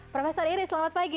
prof iris selamat pagi